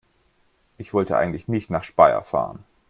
Ich wollte eigentlich nicht nach Speyer fahren